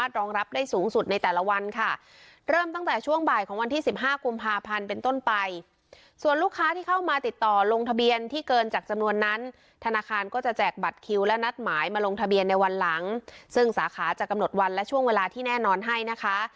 ธนาคารก็จะแจกบัตรคิวและนัดหมายมาลงทะเบียนในวันหลังซึ่งสาขาจะกำหนดวันและช่วงเวลาที่แน่นอนให้นะคะ